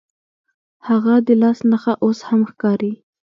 هغه د لاس نښه اوس هم ښکاري.